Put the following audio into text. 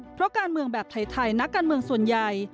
เพราะการเมืองแบบไทยนักการเมืองส่วนใหญ่